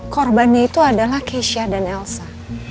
korbannya itu adalah keisha dan elsa